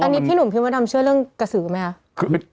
อันนี้พี่หนุ่มพี่มดดำเชื่อเรื่องกระสือไหมคะ